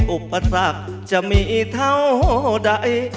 อุปสรรคจะมีเท่าใด